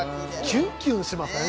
キュンキュンしません？